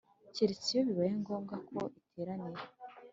keretse iyo bibaye ngombwa ko iteranira